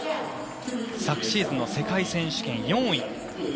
昨シーズンの世界選手権４位。